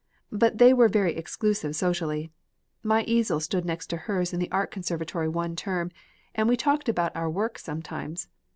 But they were very exclusive socially. My easel stood next to hers in the art conservatory one term, and we talked about our work sometimes.